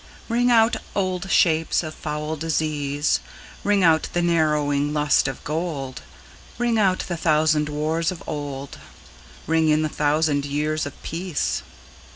Ring out old shapes of foul disease, Ring out the narrowing lust of gold; Ring out the thousand wars of old, Ring in the thousand years of peace.